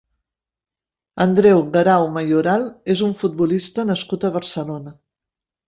Andreu Guerao Mayoral és un futbolista nascut a Barcelona.